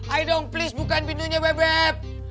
ayo dong please bukain bindunya bebep